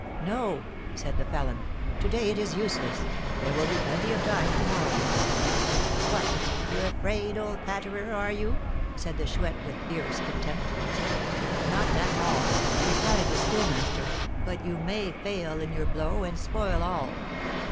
"No," said the felon; "to day it is useless. There will be plenty of time to morrow." "What! you're afraid, old patterer, are you?" said the Chouette, with fierce contempt. "Not at all," replied the Schoolmaster. "But you may fail in your blow and spoil all."